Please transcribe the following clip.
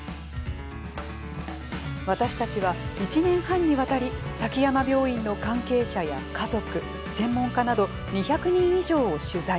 私たちは１年半にわたり滝山病院の関係者や家族専門家など２００人以上を取材。